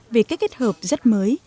về cách kết hợp rất mới